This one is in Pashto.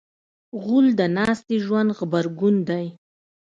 غول د ناستې ژوند غبرګون دی.